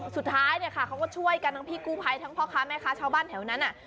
สุดท้ายเนี่ยค่ะเขาก็ช่วยกันทั้งพี่กู้ภัยทั้งพ่อค้าแม่ค้าชาวบ้านแถวนั้น